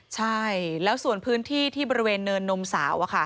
ใช่แล้วส่วนพื้นที่ที่บริเวณเนินนมสาวอะค่ะ